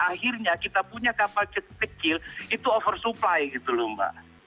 akhirnya kita punya kapal kecil itu oversupply gitu loh mbak